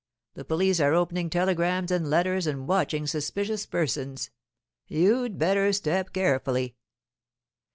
The police are opening telegrams and letters and watching suspicious persons. You'd better step carefully.